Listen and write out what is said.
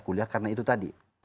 karena itu tadi